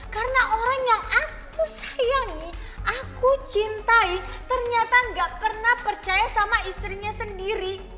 karena orang yang aku sayangi aku cintai ternyata gak pernah percaya sama istrinya sendiri